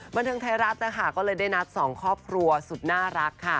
บันเทิงไทยรัฐนะคะก็เลยได้นัดสองครอบครัวสุดน่ารักค่ะ